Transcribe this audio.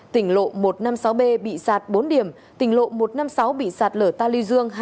tỉnh lộ một trăm năm mươi sáu b bị sạt bốn điểm tỉnh lộ một trăm năm mươi sáu bị sạt lở ta lưu dương